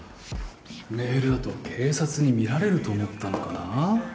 メールだと警察に見られると思ったのかな？